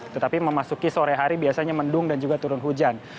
tetapi memasuki sore hari biasanya mendung dan juga turun hujan